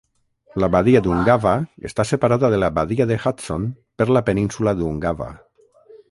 La badia d'Ungava està separada de la badia de Hudson per la península d'Ungava.